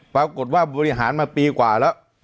ปรากฏว่าบริหารมาปีกว่าแล้ว